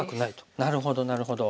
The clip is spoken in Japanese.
なるほどなるほど。